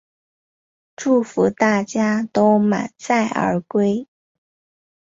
祝福大家都满载而归